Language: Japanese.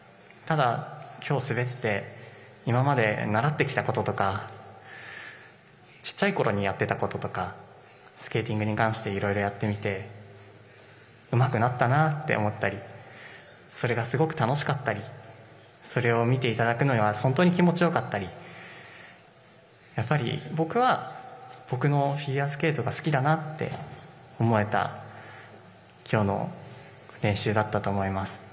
ただきょう滑って今まで習ってきたこととかちっちゃいころにやっていたこととか、スケーティングに関していろいろやってみてうまくなったなって思ったりそれがすごく楽しかったりそれを見ていただくのは本当に気持ちよかったりやっぱり僕はフィギュアスケートが好きだなって思えた、きょうの練習だったと思います。